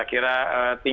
kami akan mempersiapkan diri